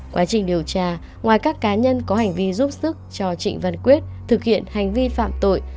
quá trình điều tra ngoài các cá nhân có hành vi giúp sức cho trịnh văn quyết thực hiện hành vi phạm tội